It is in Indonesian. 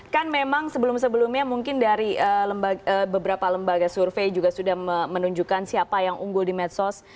kan memang sebelum sebelumnya mungkin dari beberapa lembaga survei juga sudah menunjukkan siapa yang unggul di medsos